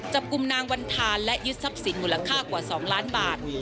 จับกลุ่มนางวันธานและยึดทรัพย์สินมูลค่ากว่า๒ล้านบาท